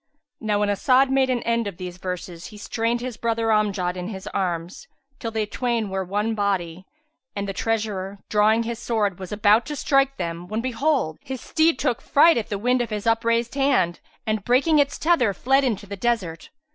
Now when As'ad made an end of these verses, he strained his brother Amjad in his arms, till they twain were one body, and the treasurer, drawing his sword, was about to strike them, when behold, his steed took fright at the wind of his upraised hand, and breaking its tether, fled into the desert.